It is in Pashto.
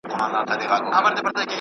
ډکي پیمانې مي تشولې اوس یې نه لرم `